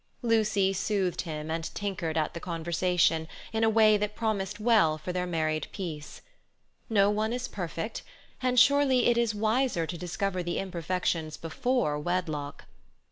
Lucy soothed him and tinkered at the conversation in a way that promised well for their married peace. No one is perfect, and surely it is wiser to discover the imperfections before wedlock.